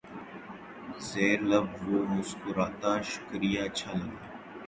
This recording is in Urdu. زیر لب وہ مسکراتا شکریہ اچھا لگا